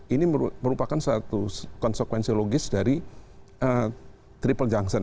ini merupakan satu konsekuensi logis dari triple junction